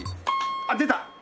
あっ出た！